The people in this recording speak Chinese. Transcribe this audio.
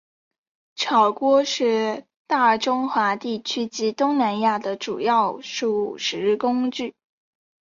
炒锅是大中华地区及东南亚的主要煮食工具。